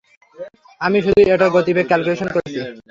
আমি শুধু এটার গতিবেগ ক্যালকুলেশন করেছি।